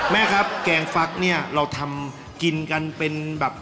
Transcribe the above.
แม่ครับแกงฟักเนี่ยเราทำกินกันเป็นแบบ